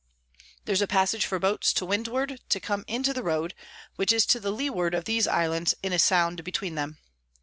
There's a Passage for Boats to Windward, to come into the Road, which is to the Leeward of these Islands in a Sound between them.